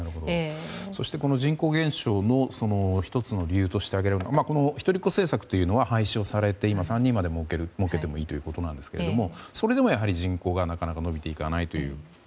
そしてこの人口減少の１つの理由として挙げられるのは一人っ子政策というのは廃止をされて今３人まで設けてもいいということなんですけどもそれでもやはり人口がなかなか伸びていかないという。